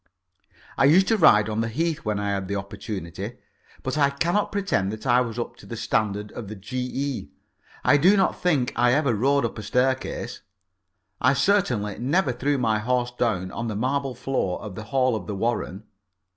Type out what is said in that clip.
I used to ride on the Heath when I had the opportunity, but I cannot pretend that I was up to the standard of the G.E. I do not think I ever rode up a staircase. I certainly never threw my horse down on the marble floor of the hall of the Warren.